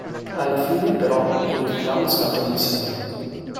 Alla fine, però, lei e il clown scappano insieme.